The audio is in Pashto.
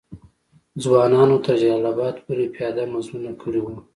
ځوانانو تر جلال آباد پوري پیاده مزلونه کړي وو.